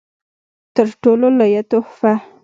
تر ټولو لويه تحفه